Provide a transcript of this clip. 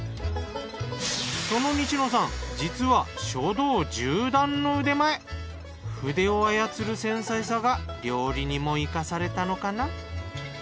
その西野さん実は筆を操る繊細さが料理にも生かされたのかな。